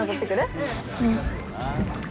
うん。